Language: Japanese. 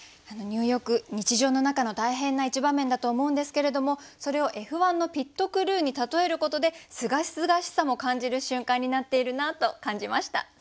入浴日常の中の大変な一場面だと思うんですけれどもそれをＦ１のピットクルーに例えることですがすがしさも感じる瞬間になっているなと感じました。